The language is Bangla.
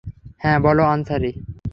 হ্যাঁ, বলো আনসারি।